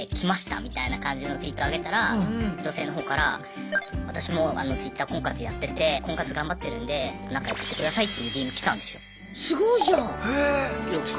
みたいな感じのツイート上げたら女性の方から「私もＴｗｉｔｔｅｒ婚活やってて婚活頑張ってるんで仲良くしてください」っていうＤＭ来たんですよ。